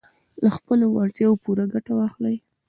له خپلو وړتیاوو پوره ګټه واخلئ.